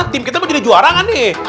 tim kita mau jadi juara kan nih